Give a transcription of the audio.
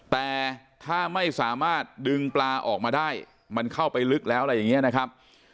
แต่ถ้าไม่สามารถดึงปลาออกมาได้มันเข้าไปลึกแล้วอะไรอย่างนี้นะครับ